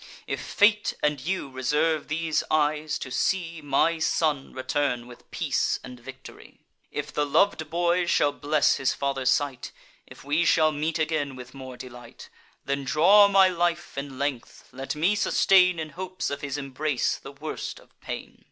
If fate and you reserve these eyes, to see My son return with peace and victory; If the lov'd boy shall bless his father's sight; If we shall meet again with more delight; Then draw my life in length; let me sustain, In hopes of his embrace, the worst of pain.